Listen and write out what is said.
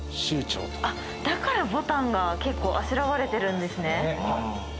だから牡丹が結構あしらわれてるんですね。